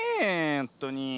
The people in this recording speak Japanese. ほんとに。